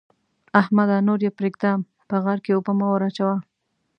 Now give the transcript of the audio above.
احمده! نور يې پرېږده؛ په غار کې اوبه مه وراچوه.